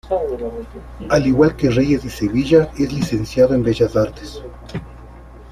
Al igual que Reyes y Sevilla, es licenciado en Bellas Artes.